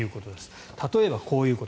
例えばこういうこと。